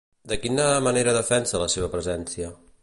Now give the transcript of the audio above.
De quina manera defensa la seva presència?